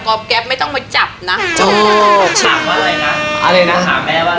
แก๊ปไม่ต้องมาจับนะถามว่าอะไรนะอะไรนะถามแม่ว่า